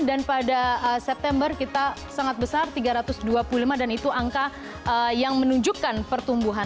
dan pada september kita sangat besar tiga ratus dua puluh lima dan itu angka yang menunjukkan pertumbuhan